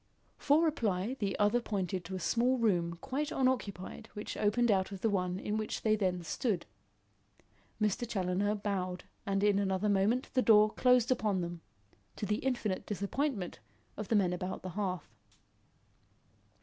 For reply, the other pointed to a small room quite unoccupied which opened out of the one in which they then stood. Mr. Challoner bowed and in an other moment the door closed upon them, to the infinite disappointment of the men about the hearth.